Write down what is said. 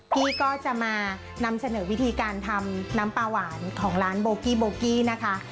พี่ก็จะมานำเสนอวิธีการทำน้ำปลาหวานของร้านโบกี้โบกี้นะคะ